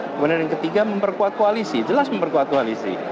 kemudian yang ketiga memperkuat koalisi jelas memperkuat koalisi